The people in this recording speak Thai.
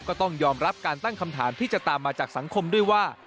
ก็ต้องยอมรับการตั้งคำถามที่จะตามมาจากสังคมด้วยว่า